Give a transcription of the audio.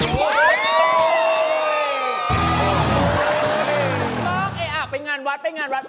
ท้องเอยอ่าไปงานวัดไปงานวัด